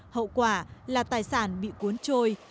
hậu quả là tài sản bị cuốn trôi